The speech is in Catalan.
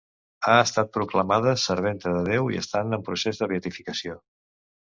Ha estat proclamada serventa de Déu i està en procés de beatificació.